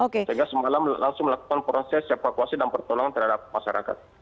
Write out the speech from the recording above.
sehingga semalam langsung melakukan proses evakuasi dan pertolongan terhadap masyarakat